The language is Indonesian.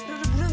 udah udah udah